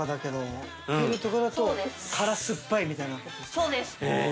そうです。